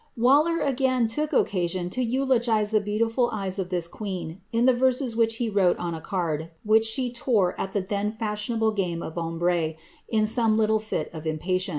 Waller again took occasion to eulogize the beautiful eyes of thii queen, in the verses which he wrote on a canl, which she tore at ikt then fbshionable game of ombre, in some little fit of impatience >— >MS.